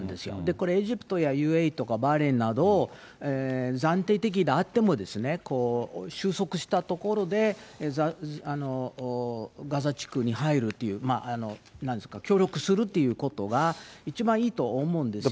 これ、エジプトやＵＡＥとかバーレーンなど、暫定的であっても、収束したところで、ガザ地区に入るという、なんですか、協力するということが一番いいと思うんですよね。